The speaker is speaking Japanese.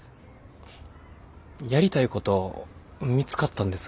やりたいこと見つかったんです。